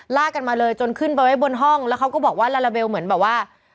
ลากกันมาเลยจนขึ้นไปไว้บนห้องแล้วเขาก็บอกว่าลาลาเบลเหมือนแบบว่า